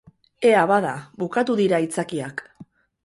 Ea bada, bukatu dira aitzakiak.